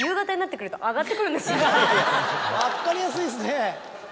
分かりやすいですね。